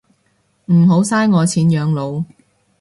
唔好嘥我錢養老